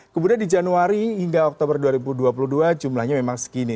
kemudian di januari hingga oktober dua ribu dua puluh dua jumlahnya memang segini